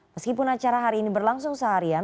meskipun acara hari ini berlangsung seharian